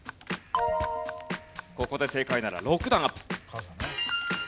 ここで正解なら６段アップ。